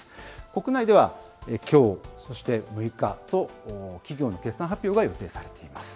国内ではきょう、そして６日と、企業の決算発表が予定されています。